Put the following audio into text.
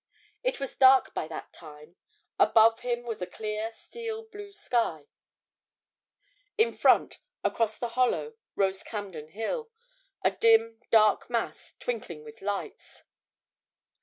It was dark by that time. Above him was a clear, steel blue sky; in front, across the hollow, rose Campden Hill, a dim, dark mass, twinkling with lights.